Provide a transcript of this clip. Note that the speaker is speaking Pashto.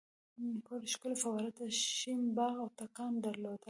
کور ښکلې فواره تک شین باغ او تاکان درلودل.